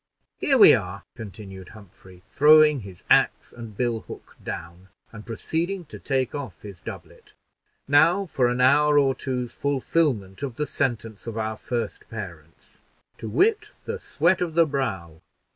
Here we are," continued Humphrey, throwing his ax and bill hook down, and proceeding to take off his doublet; "now for an hour or two's fulfillment of the sentence of our first parents to wit, 'the sweat of the brow.'"